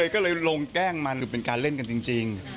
ก็เลยลงแกล้งมันหรือเป็นการเล่นกันจริง